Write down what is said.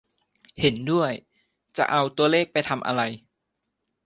เห็นด้วย จะเอาตัวเลขไปทำอะไร